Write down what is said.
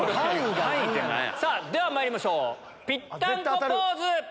ではまいりましょうピッタンコポーズ！